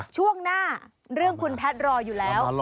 ช่วงหน้าเรื่องคุณแพทย์รออยู่แล้ว